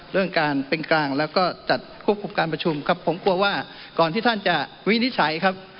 เรื่องการเป็นกลางแล้วก็จัดควบคุมการประชุมครับผมกลัวว่าก่อนที่ท่านจะวินิจฉัยครับ